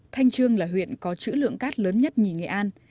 thanh trương là huyện có chữ lượng cát lớn nhất nhì nghệ an